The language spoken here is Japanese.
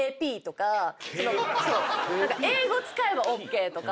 何か英語使えばＯＫとか。